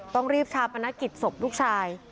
ต้องรีบทำประณะกิจศพลูกชาย